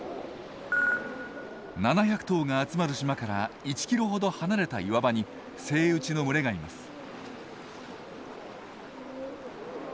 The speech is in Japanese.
７００頭が集まる島から１キロほど離れた岩場にセイウチの群れがいます。